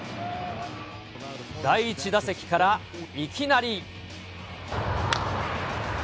第１打席から、いきなり。